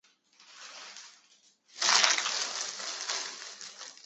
现在参加西班牙足球甲级联赛。